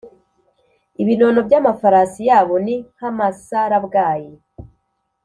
ibinono by’amafarasi yabo ni nk’amasarabwayi,